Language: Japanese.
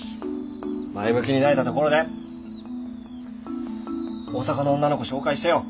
前向きになれたところで大阪の女の子紹介してよ。